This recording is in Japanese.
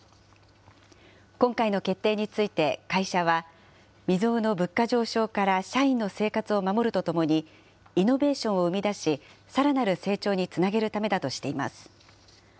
今回の決定について会社は、未曽有の物価上昇から社員の生活を守るとともに、イノベーションを生み出し、さらなる成長につなげるためだとしています。